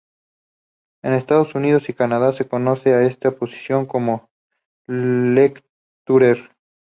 En Estados Unidos y Canadá se conoce a esta posición como "lecturer".